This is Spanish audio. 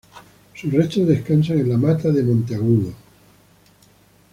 Sus restos descansan en La Mata de Monteagudo